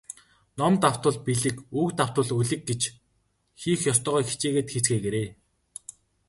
Ном давтвал билиг, үг давтвал улиг гэж хийх ёстойгоо хичээгээд хийцгээгээрэй.